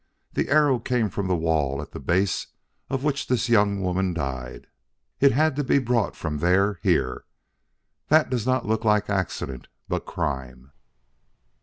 The arrow came from the wall at the base of which this young woman died. It had to be brought from there here. That does not look like accident, but crime."